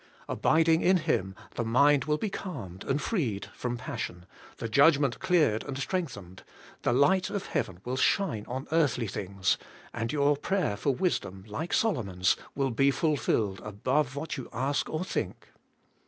Abiding in Him, the mind will be calmed and freed from passion, the judgment cleared and strengthened, the light of heaven will shine on earthly things, and your prayer for wisdom, like Solomon's, will be fulfilled above what you ask or think.